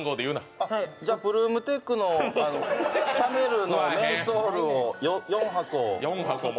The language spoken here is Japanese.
じゃあブルームテックのキャメルのメンソールを４箱。